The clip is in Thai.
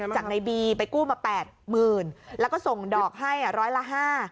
จากในบีไปกู้มาแปดหมื่นแล้วก็ส่งดอกให้ร้อยละห้า